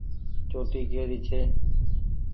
چوٽي ڪي ري ڇي۔